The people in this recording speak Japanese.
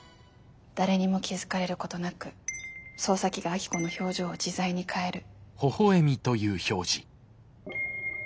誰にも気付かれることなく操作機がアキコの表情を自在に変える。